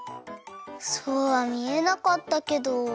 そうはみえなかったけど。